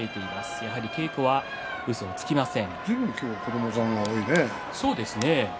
やはり稽古はうそをつきません。